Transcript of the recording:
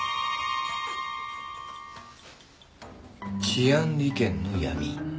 「治安利権の闇」